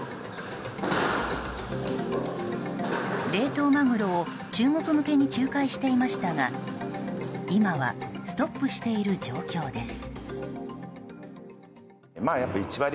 冷凍マグロを中国向けに仲介していましたが今はストップしている状況です。